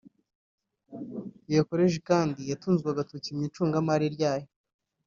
Iyo Koleji kandi yatunzwe agatoki mu icungamari ryayo